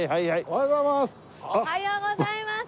おはようございます。